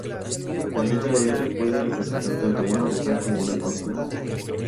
La letra "R" puede representar tanto una vocal como una consonante.